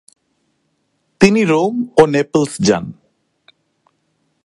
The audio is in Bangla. তিনি রোম ও নেপলস যান।